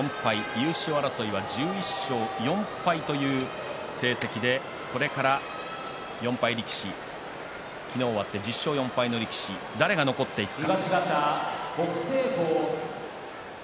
優勝争いは１１勝４敗という成績でこれから４敗力士昨日、終わって１０勝４敗の力士誰が残っていくか。